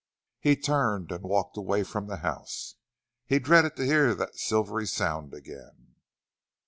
He turned and walked away from the house. He dreaded to hear that silvery sound again.